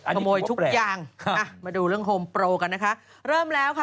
อันนี้คือว่าแปลกค่ะมาดูเรื่องโฮมโปรกันนะคะเริ่มแล้วค่ะ